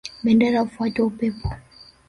Bendera hufuata upepo